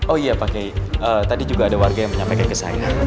oh iya pak kiai tadi juga ada warga yang menyampaikan ke saya